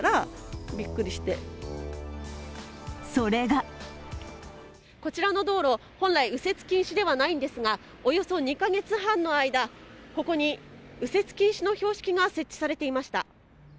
それがこちらの道路、本来、右折禁止ではないんですが、およそ２カ月半の間、ここに右折禁止の標識が設置されていました。